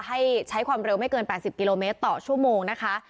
ให้ใช้ความเร็วไม่เกิน๘๐กิโลเมตรต่อชั่วโมงนะคะ